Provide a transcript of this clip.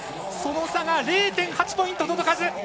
その差が０．８ポイント届かず。